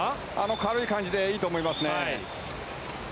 軽い感じでいいと思いますね。